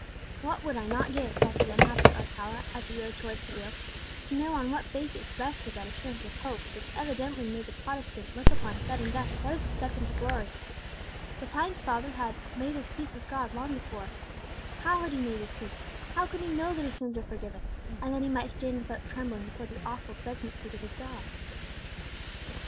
"What would not I give," thought the unhappy Alcala, as he rode towards Seville, "to know on what basis rested that assurance of hope which evidently made the Protestant look upon sudden death but as a step into glory! Lepine's father had 'made his peace with God long before!' How had he made his peace; how could he know that his sins were forgiven, and that he might stand without trembling before the awful judgment seat of his God?"